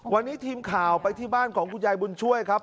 วันนี้ทีมข่าวไปที่บ้านของคุณยายบุญช่วยครับ